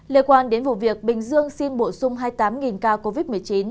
liên quan đến vụ việc bình dương xin bổ sung hai mươi tám ca covid một mươi chín